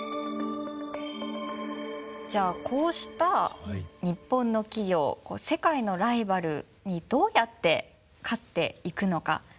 じゃあこうした日本の企業世界のライバルにどうやって勝っていくのか。